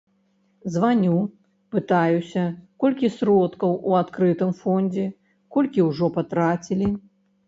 Званю, пытаюся, колькі сродкаў у адкрытым фондзе, колькі ўжо патрацілі.